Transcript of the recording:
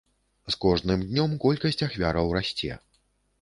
З кожным днём колькасць ахвяраў расце.